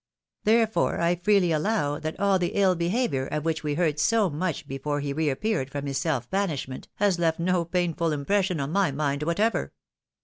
Therefore I freely allow that all the ill behaviour of which we heard so much before he re appeared from his self banishment, has left no painful impression on my mind whatever.